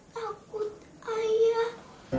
lara takut ayah